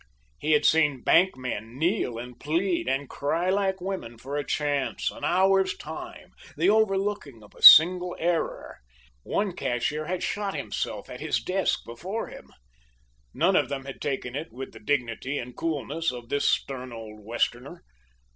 He had seen bank men kneel and plead and cry like women for a chance an hour's time the overlooking of a single error. One cashier had shot himself at his desk before him. None of them had taken it with the dignity and coolness of this stern old Westerner.